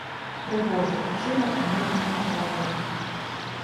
Прыгожы ўчынак мужнага чалавека.